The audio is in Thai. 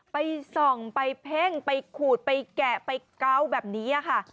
ไปส่องไปเพ่งไปขูดไปแกะไปเกาะแบบนี้ค่ะ